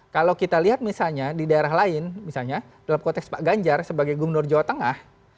kalau kita lihat misalnya di daerah lain misalnya dalam konteks pak ganjar sebagai gubernur jawa tengah